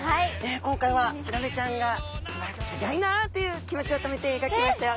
今回はヒラメちゃんがすギョいなという気持ちをこめてえがきましたよ！